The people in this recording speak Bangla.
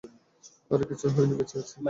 আরে কিছুই হয়নি, বেঁচে আছি।